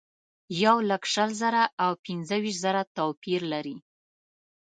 یولک شل زره او پنځه ویشت زره توپیر لري.